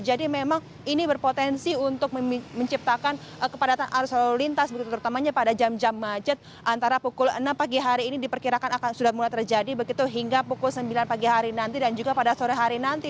jadi memang ini berpotensi untuk menciptakan kepadatan arus solulitas terutamanya pada jam jam majet antara pukul enam pagi hari ini diperkirakan akan sudah mulai terjadi begitu hingga pukul sembilan pagi hari nanti dan juga pada sore hari nanti